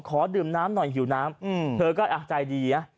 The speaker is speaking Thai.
ขอดื่มน้ำหน่อยหิวน้ำเธอก็ใจดีนะ